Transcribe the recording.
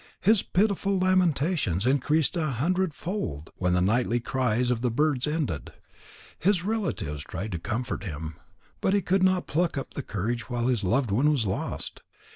His pitiful lamentations increased a hundredfold, when the nightly cries of the birds ended. His relatives tried to comfort him, but he could not pluck up courage while his loved one was lost.